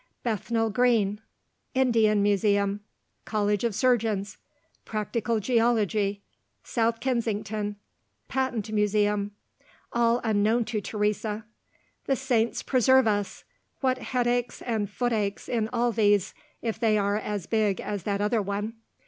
Bethnal Green; Indian Museum; College of Surgeons; Practical Geology; South Kensington; Patent Museum all unknown to Teresa. "The saints preserve us! what headaches and footaches in all these, if they are as big as that other one!"